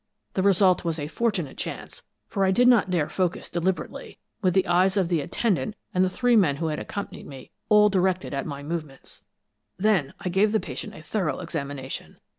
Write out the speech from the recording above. The result was a fortunate chance, for I did not dare focus deliberately, with the eyes of the attendant and the three men who had accompanied me, all directed at my movements. "Then I gave the patient a thorough examination.